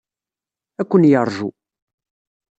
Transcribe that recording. Ad ken-yeṛju.